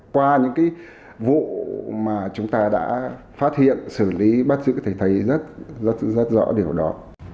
qua những vụ mà chúng ta đã phát hiện xử lý bắt giữ thì thấy rất rõ điều đó